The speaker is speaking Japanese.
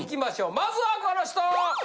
まずはこの人！